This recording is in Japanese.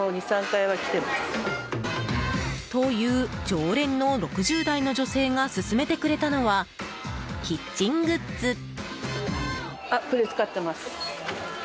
という常連の６０代の女性が勧めてくれたのはキッチングッズ。